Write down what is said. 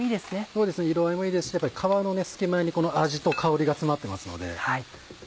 そうですね色合いもいいですしやっぱり皮の隙間にこの味と香りが詰まってますので。